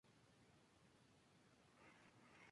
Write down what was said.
Le Quesnel